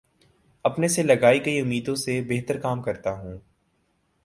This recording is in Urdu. اپنے سے لگائی گئی امیدوں سے بہترکام کرتا ہوں